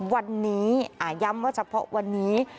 วันนี้ย้ำว่าเฉพาะวันนี้